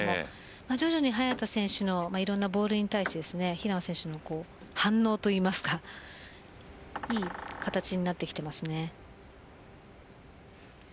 徐々に早田選手のいろんなボールに対して平野選手の反応といいますかいい形になっています。